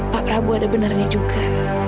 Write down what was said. pak prabowo ada benarnya juga